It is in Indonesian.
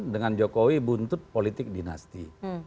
dengan jokowi buntut politik dinasti